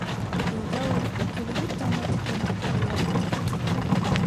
Өйҙә ул киләһе таңға тиклем тере ятты...